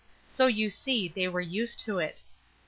So you see they were used to it.